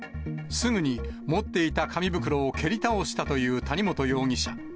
すぐに持っていた紙袋を蹴り倒したという谷本容疑者。